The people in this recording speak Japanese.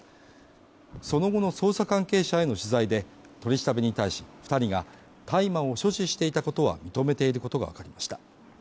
その後の捜査関係者への取材で、取り調べに対し、２人が大麻を所持していたことは認めていることがわかりました。